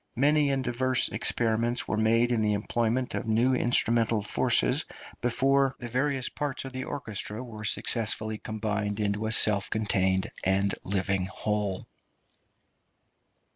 Many and diverse experiments were made in the employment of new instrumental forces before the various parts of the orchestra were successfully combined into a self contained and living whole.